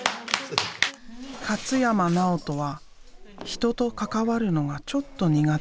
勝山直斗は人と関わるのがちょっと苦手。